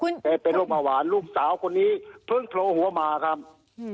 แต่เป็นโรคเบาหวานลูกสาวคนนี้เพิ่งโผล่หัวมาครับอืม